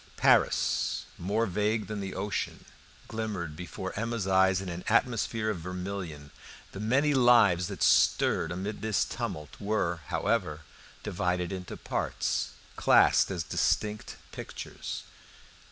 Paris, more vague than the ocean, glimmered before Emma's eyes in an atmosphere of vermilion. The many lives that stirred amid this tumult were, however, divided into parts, classed as distinct pictures.